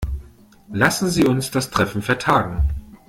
Lassen Sie uns das Treffen vertagen.